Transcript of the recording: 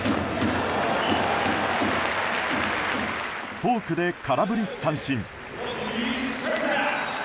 フォークで空振り三振。